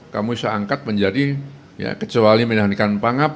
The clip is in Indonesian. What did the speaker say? kamu bisa angkat menjadi ya kecuali menahanikan pangap